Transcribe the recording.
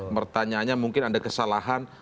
mertanya nya mungkin anda kesalahan